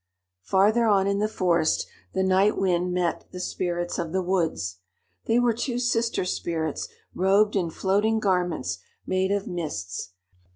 Farther on in the forest, the Night Wind met the Spirits of the Woods. They were two sister spirits robed in floating garments made of mists.